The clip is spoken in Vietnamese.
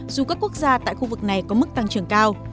dù các quốc gia tại khu vực này có mức tăng trưởng cao